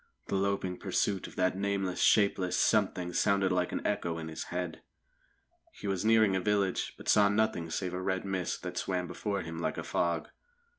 The loping pursuit of that nameless, shapeless Something sounded like an echo in his head. He was nearing a village, but saw nothing save a red mist that swam before him like a fog.